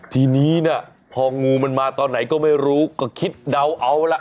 ทีนี้นะพองูมันมาตอนไหนก็ไม่รู้ก็คิดเดาเอาล่ะ